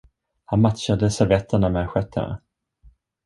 Han matchade servetterna med assietterna.